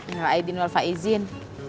nyalah iden mufaizin